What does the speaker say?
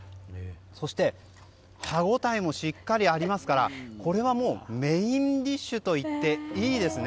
そして、歯応えもしっかりありますからこれはメインディッシュと言っていいですね。